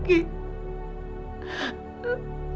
mak beli lagi